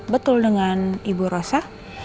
betul dengan ibu rosa